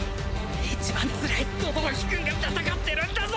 一番つらい轟くんが戦ってるんだぞ